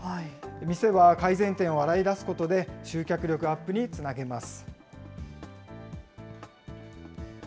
店は改善点を洗い出すことで、集客力アップにつなげます。